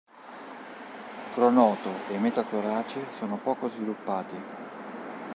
Pronoto e metatorace sono poco sviluppati.